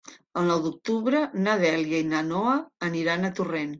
El nou d'octubre na Dèlia i na Noa aniran a Torrent.